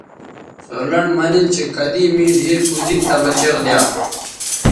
سور لنڈ مہ نِن چہء کدی می ڈِھیر پوزید تی مہ چیغ دیا